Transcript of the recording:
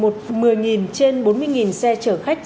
một mươi trên bốn mươi xe chở khách